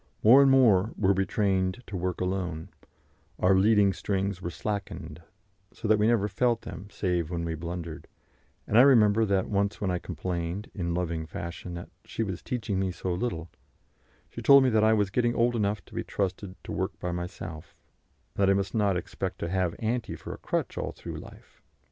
More and more were we trained to work alone; our leading strings were slackened, so that we never felt them save when we blundered; and I remember that when I once complained, in loving fashion, that she was "teaching me so little," she told me that I was getting old enough to be trusted to work by myself, and that I must not expect to "have Auntie for a crutch all through life."